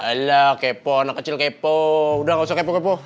ada kepo anak kecil kepo udah gak usah kepo kepoh